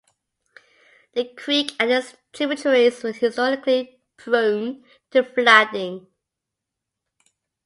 The creek and its tributaries were historically prone to flooding.